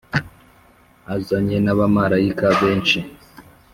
Azanye n’ abamarayika benshi